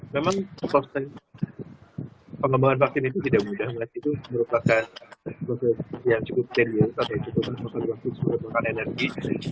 memang saya rasa pengembangan vaksin itu tidak mudah malah itu merupakan vaksin yang cukup tenius atau cukup berfungsi sebagai energi